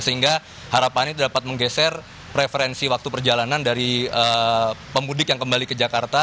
sehingga harapannya dapat menggeser preferensi waktu perjalanan dari pemudik yang kembali ke jakarta